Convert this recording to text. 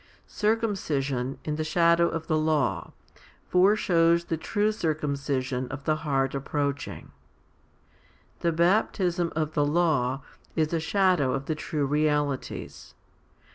Circumcision, in the shadow of the law, foreshows the true circumcision of the heart approaching. The baptism of the law is a shadow of the true realities.